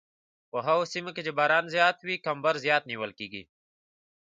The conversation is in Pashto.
په هغو سیمو کې چې باران زیات وي کمبر زیات نیول کیږي